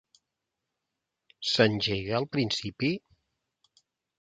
S'engega al principi?